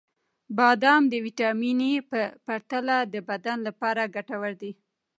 • بادام د ویټامین ای په پرتله د بدن لپاره ګټور دي.